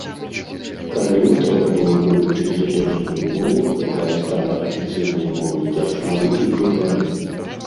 Каралю трэба было вывучыць літоўскую мову, якая стала афіцыйнай мовай дзяржавы і пры двары.